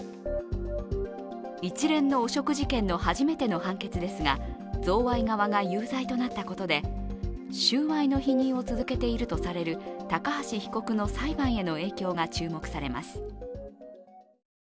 一連の汚職事件の初めての判決ですが、贈賄側が有罪となったことで収賄の否認を続けているとされる高橋被告の裁判への影響が注目されます。